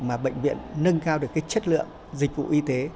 chính vì việc bệnh viện nâng cao được chất lượng dịch vụ y tế